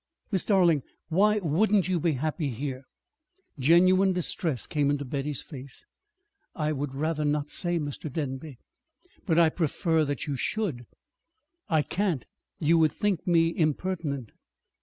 "Miss Darling, why wouldn't you be happy here?" Genuine distress came into Betty's face. "I would rather not say, Mr. Denby." "But I prefer that you should." "I can't. You would think me impertinent."